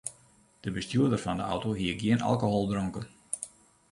De bestjoerder fan de auto hie gjin alkohol dronken.